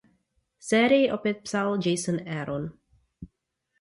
Sérii opět psal Jason Aaron.